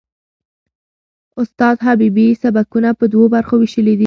استاد حبیبي سبکونه په دوو برخو وېشلي دي.